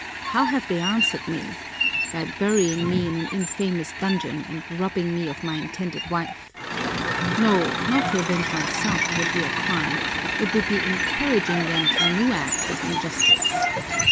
How have they answered me? By burying me in an infamous dungeon and robbing me of my intended wife! No, not to avenge myself would be a crime, it would be encouraging them to new acts of injustice!